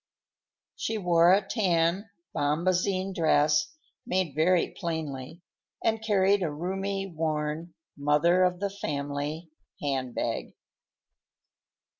She wore a tan bombazine dress, made very plainly, and carried a roomy, worn, mother of the family handbag.